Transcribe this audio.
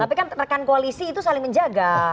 tapi kan rekan koalisi itu saling menjaga